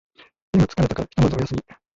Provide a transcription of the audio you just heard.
目が疲れたからひとまずお休み